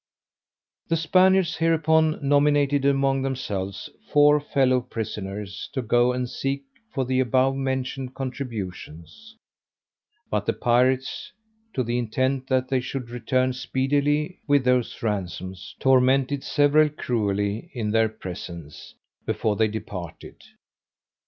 The Spaniards hereupon nominated among themselves four fellow prisoners to go and seek for the above mentioned contributions; but the pirates, to the intent that they should return speedily with those ransoms, tormented several cruelly in their presence, before they departed.